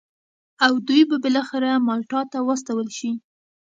او دوی به بالاخره مالټا ته واستول شي.